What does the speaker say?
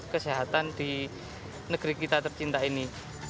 kesehatan di negeri kita tercinta ini